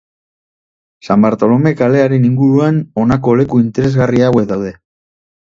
San Bartolome kalearen inguruan honako leku interesgarri hauek daude.